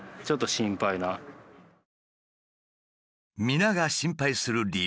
皆が心配する理由。